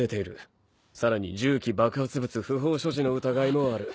さらに銃器・爆発物不法所持の疑いもある。